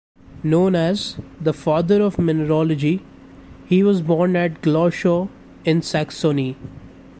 Known as "the father of mineralogy", he was born at Glauchau in Saxony.